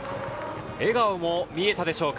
笑顔も見えたでしょうか。